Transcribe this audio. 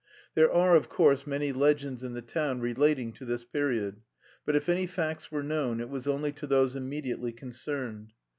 There are, of course, many legends in the town relating to this period; but if any facts were known, it was only to those immediately concerned.